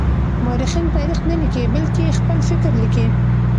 مورخين تاريخ نه ليکي بلکې خپل فکر ليکي.